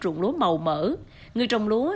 rụng lúa màu mở người trồng lúa